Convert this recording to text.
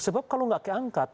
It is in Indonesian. sebab kalau enggak keangkat